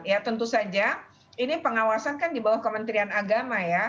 ya tentu saja ini pengawasan kan di bawah kementerian agama ya